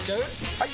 ・はい！